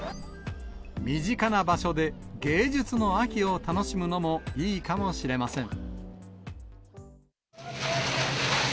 身近な場所で芸術の秋を楽しむのもいいかもしれません。